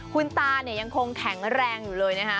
คุณตายังคงแข็งแรงอยู่เลยนะฮะ